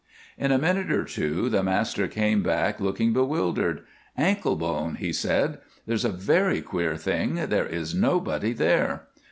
"In a minute or two the master came back looking bewildered. 'Anklebone,' he said, 'that's a very queer thing; there is nobody there!